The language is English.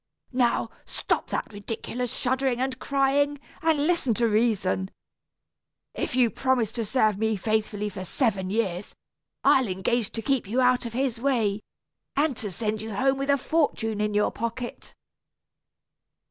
Now, stop that ridiculous shuddering and crying, and listen to reason. If you promise to serve me faithfully for seven years, I'll engage to keep you out of his way, and to send you home with a fortune in your pocket."